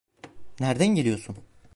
Nereden geliyorsun?